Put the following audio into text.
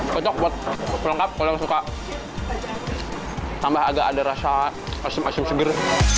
kecok buat pelengkap kalau yang suka tambah agak ada rasa asim asim seger